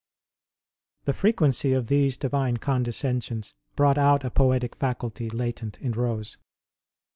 The frequency of these Divine condescensions brought out a poetic faculty latent in Rose.